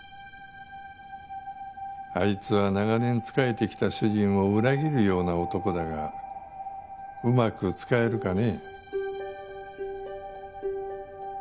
あいつは長年仕えてきた主人を裏切るような男だがうまく使えるかね？